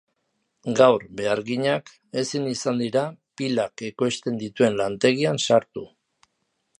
Gaur beharginak ezin izan dira pilak ekoizten dituen lantegian sartu.